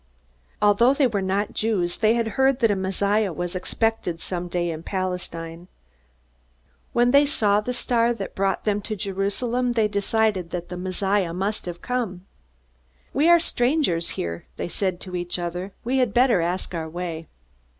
Although they were not Jews, they had heard that a Messiah was expected someday in Palestine. When they saw that the star had brought them to Jerusalem, they decided that the Messiah must have come. "We are strangers here," they said to each other. "We had better ask our way."